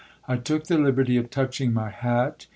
I took the liberty of touching myi hat.